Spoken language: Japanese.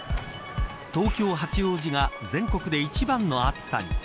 東京、八王子が全国で一番の暑さに。